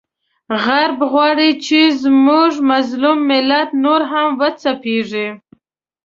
غرب غواړي چې زموږ مظلوم ملت نور هم وځپیږي،